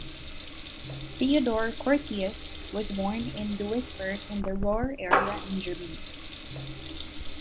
Theodor Curtius was born in Duisburg in the Ruhr area in Germany.